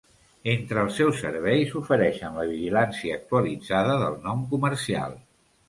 Entre els seus serveis ofereixen la vigilància actualitzada del nom comercial.